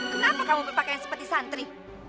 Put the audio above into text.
kenapa kamu berpakaian seperti santri